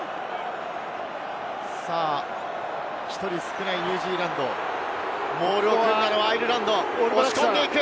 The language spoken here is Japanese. １人少ないニュージーランド、モールを組んだのは、アイルランドを押し込んでいく。